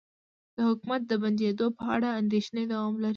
د حکومت د بندیدو په اړه اندیښنې دوام لري